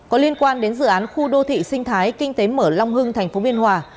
có liên quan đến dự án khu đô thị sinh thái kinh tế mở long hưng tp biên hòa